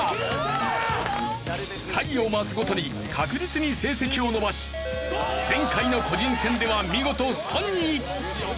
回を増すごとに確実に成績を伸ばし前回の個人戦では見事３位！